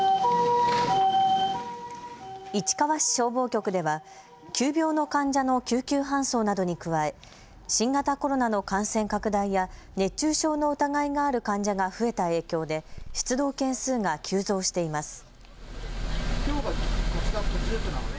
市川市消防局では急病の患者の救急搬送などに加え新型コロナの感染拡大や熱中症の疑いがある患者が増えた影響で出動件数が急増しています。